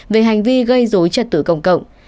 về hành vi gây dối trật tử công cộng